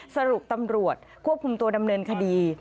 สรุปตำรวจควบคุมตัวดำเนินคดี